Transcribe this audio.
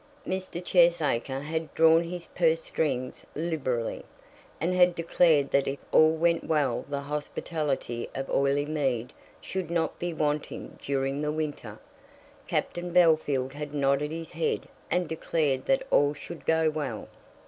Mr. Cheesacre had drawn his purse strings liberally, and had declared that if all went well the hospitality of Oileymead should not be wanting during the winter. Captain Bellfield had nodded his head and declared that all should go well.